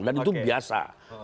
dan itu biasa